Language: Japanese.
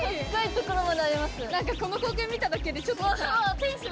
この光景見ただけでちょっとさ。